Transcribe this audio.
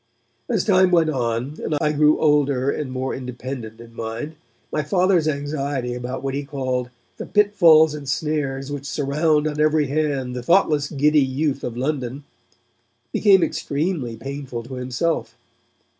As time went on, and I grew older and more independent in mind, my Father's anxiety about what he called 'the pitfalls and snares which surround on every hand the thoughtless giddy youth of London' became extremely painful to himself.